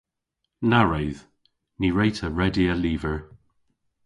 Na wredh. Ny wre'ta redya lyver.